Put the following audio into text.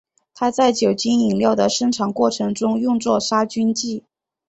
它在酒精饮料的生产过程中用作杀菌剂。